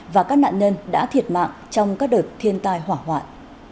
và các nạn nhân đã thiệt mạng trong các đợt thiên tai hỏa hoạn